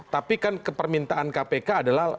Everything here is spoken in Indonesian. tapi kan kepermintaan kpk adalah